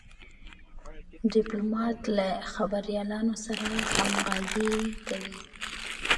ډيپلومات له خبریالانو سره همږغي کوي.